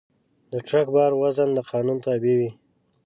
د ټرک بار وزن د قانون تابع وي.